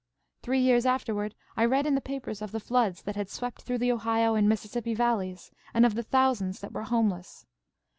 "Three years afterward I read in the papers of the floods that had swept through the Ohio and Mississippi valleys, and of the thousands that were homeless.